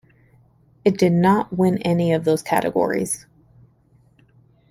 It did not win any of those categories.